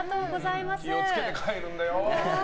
気を付けて帰るんだよ。